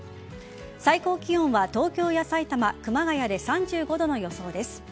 最高気温は東京やさいたま、熊谷で３５度の予想です。